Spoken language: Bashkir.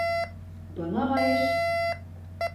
Бынағайыш!